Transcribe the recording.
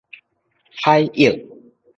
海湧